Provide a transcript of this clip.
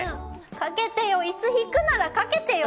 掛けてよイス引くなら掛けてよ！